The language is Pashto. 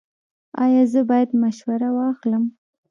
ایا زه باید مشوره واخلم؟